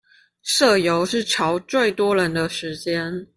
社遊是喬最多人的時間